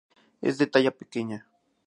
Es de talla pequeña.